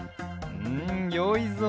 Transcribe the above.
うんよいぞ。